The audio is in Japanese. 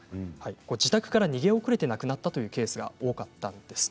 自宅から逃げ遅れて亡くなったケースが多かったんです。